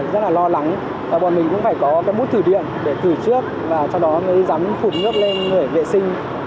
rất là lo lắng bọn mình cũng phải có cái bút thử điện để thử trước sau đó mới dám phụt nước lên để vệ sinh